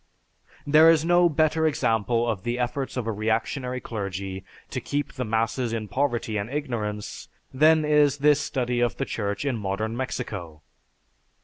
There is no better example of the efforts of a reactionary clergy to keep the masses in poverty and ignorance than is this study of the church in modern Mexico.